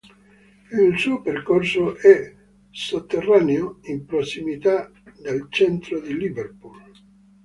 Il suo percorso è sotterraneo in prossimità del centro di Liverpool.